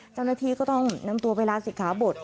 เจ้าหน้าที่ก็ต้องนำตัวไปลาศิกขาบท